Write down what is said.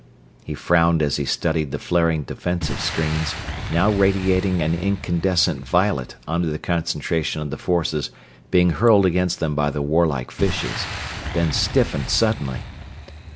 He frowned as he studied the flaring defensive screens, now radiating an incandescent violet under the concentration of the forces being hurled against them by the warlike fishes, then stiffened suddenly.